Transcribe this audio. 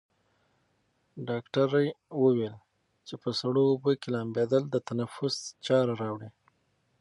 ډاکټره وویل چې په سړو اوبو کې لامبېدل د تنفس چاره راوړي.